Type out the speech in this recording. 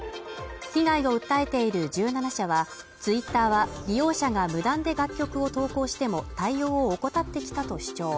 被害を訴えている１７社は、Ｔｗｉｔｔｅｒは利用者が無断で楽曲を投稿しても対応を怠ってきたと主張。